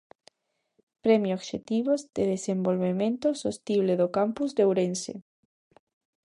Premio Obxectivos de Desenvolvemento Sostible do Campus de Ourense.